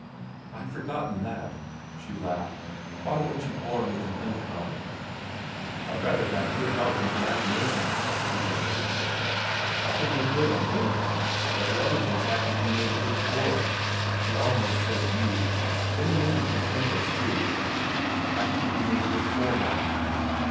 "I'd forgotten that," she laughed. "Why weren't you born with an income?" "I'd rather have good health and imagination," he answered. "I can make good on the income, but the other things have to be made good for—" He almost said "you," then amended his sentence to, "have to be made good for one."